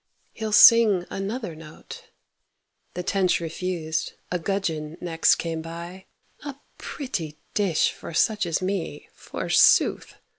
he'll sing another note. The tench refused, a gudgeon next came by: "A pretty dish for such as me, forsooth!